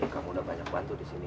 kamu udah banyak bantu di sini